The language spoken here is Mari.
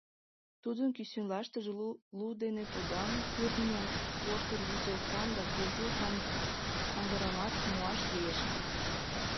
Тудын кӱсенлаштыже лу дене пудам, кӱртньӧ воштыр вӱдылкам да кужу кандырамат муаш лиеш ыле.